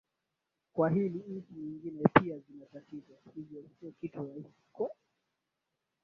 kwa hili nchi nyingine pia zina tatizo hivyo sio kitu rahisi kwe